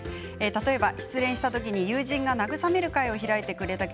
例えば失恋したときに友人が慰める会を開いてくれました。